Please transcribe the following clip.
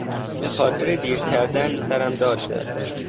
به خاطر دیر کردن سرم داد زد.